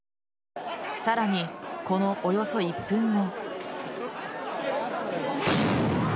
さらに、このおよそ１分後。